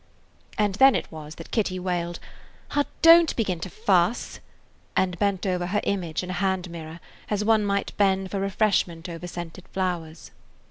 And then it was that Kitty wailed, "Ah, don't begin to fuss!" and bent over her image in a hand mirror as one might bend for refreshment over scented flowers.